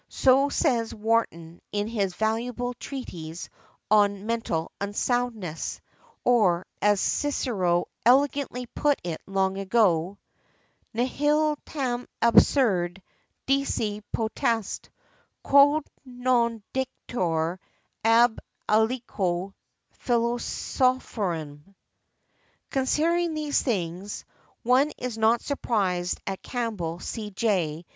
So says Wharton in his valuable treatise on Mental Unsoundness ; or as Cicero elegantly put it long ago, "nihil tam absurde dici potest, quod non dicatur ab aliquo philosophorum" . Considering these things, one is not surprised at Campbell, C.J.